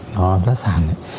nó giá sản ấy